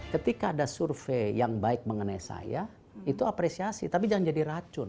ketika ada survei yang baik mengenai saya itu apresiasi tapi jangan jadi racun